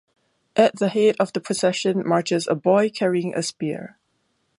At the head of the procession marches a boy carrying a spear.